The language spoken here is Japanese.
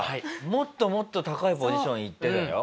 もっともっと高いポジション行ってたよ。